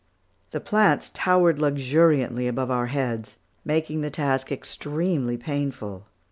The plants towered luxuriantly above our heads, making the task extremely painful.